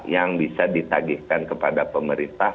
yang bisa ditagihkan kepada pemerintah